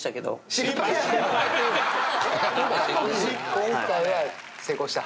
今回は成功した？